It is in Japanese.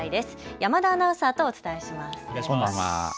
山田アナウンサーとお伝えします。